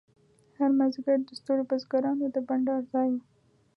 هر مازیګر د ستړو بزګرانو د بنډار ځای و.